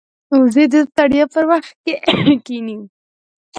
وزې د ستړیا پر وخت کښیني